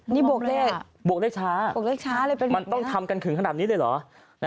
นี่บวกเลขช้ามันต้องทำกันขึงขนาดนี้เลยเหรอ